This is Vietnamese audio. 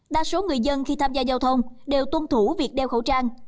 đa số người dân khi tham gia giao thông đều tuân thủ việc đeo khẩu trang